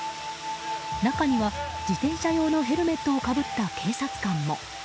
中には自転車用のヘルメットをかぶった警察官も。